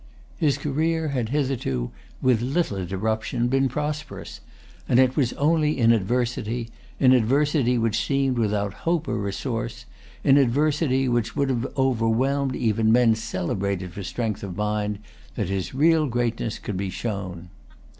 His career had hitherto, with little interruption, been prosperous; and it was only in adversity, in adversity which seemed without hope or resource, in adversity which would have overwhelmed even men celebrated for strength of mind, that his real greatness could be shown.